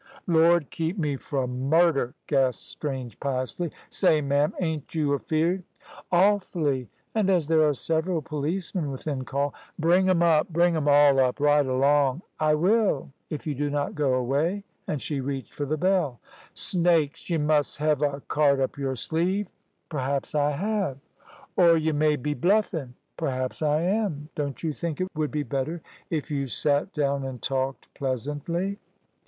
"Lord keep me fro' murder," gasped Strange, piously. "Say, ma'am, ain't you afeared?" "Awfully! And as there are several policemen within call " "Bring 'em up bring 'em all up, right along." "I will, if you do not go away"; and she reached for the bell. "Snakes! Y' mus' hev a card up your sleeve." "Perhaps I have." "Or y' may be bluffin'." "Perhaps I am. Don't you think it would be better if you sat down and talked pleasantly?"